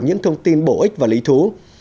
những thông tin bổ ích và lý thú